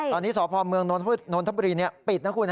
ตอนนี้สพเมืองนนทบุรีปิดนะคุณ